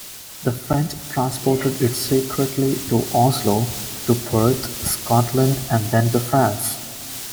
The French transported it secretly to Oslo, to Perth, Scotland, and then to France.